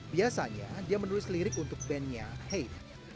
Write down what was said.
biasanya dia menulis lirik untuk bandnya have